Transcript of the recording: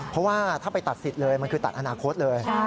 เพราะว่าถ้าไปตัดสิทธิ์เลยมันคือตัดอนาคตเลย